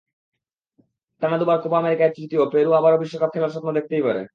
টানা দুবার কোপা আমেরিকায় তৃতীয়—পেরু আবারও বিশ্বকাপ খেলার স্বপ্ন দেখতেই পারে।